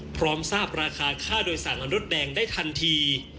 พร้อมทราบราคาค่าโดยสารมนุษย์แดงได้ทันที